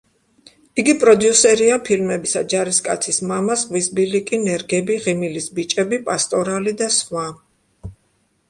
იგი პროდიუსერია ფილმებისა: „ჯარისკაცის მამა“, „ზღვის ბილიკი“, „ნერგები“, „ღიმილის ბიჭები“, „პასტორალი“ და სხვა.